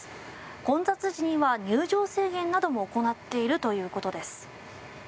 混雑時には入場制限なども行っているということです。